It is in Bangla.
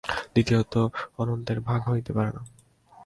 দ্বিতীয়ত অনন্তের ভাগ হইতে পারে না।